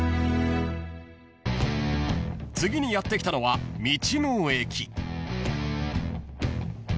［次にやって来たのは道の駅］